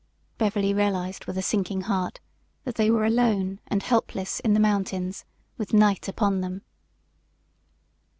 Beverly realized with a sinking heart that they were alone and helpless in the mountains with night upon them.